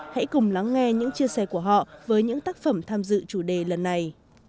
hãy cùng lắng nghe những chia sẻ của họ với những tác phẩm tham dự chủ đề lần này